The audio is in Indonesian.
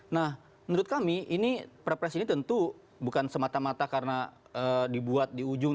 nah menurut kami ini perpres ini tentu bukan semata mata karena dibuat di ujung